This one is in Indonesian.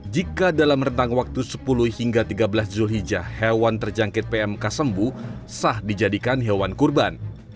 jika dalam rentang waktu sepuluh hingga tiga belas zulhijjah hewan terjangkit pmk sembuh sah dijadikan hewan kurban